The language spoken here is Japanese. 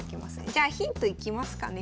じゃあヒントいきますかね。